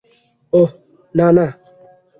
ওহ, না, না।